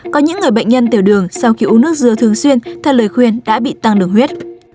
có những người bệnh nhân tiểu đường sau khi uống nước dừa thường xuyên theo lời khuyên đã bị tăng đường huyết